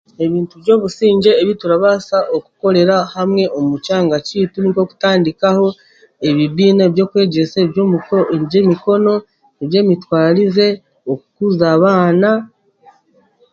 Ebintu by'obusingye ebi turabaasa kukorera hamwe omu kyanga kyaitu nink'okutandikaho ebibiina ebyokwegyesa eby'emikono, eby'emitwarize, okukuza abaana,